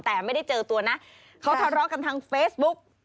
แต่ไม่ได้เจอตัวนะเขาทะเลาะกันทางเฟซบุ๊ก